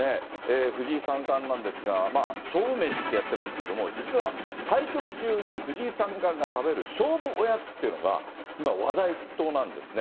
藤井三冠なんですが、勝負メシってやってますけど、実は対局中に藤井三冠が食べる勝負おやつというのが、今、話題沸騰なんですね。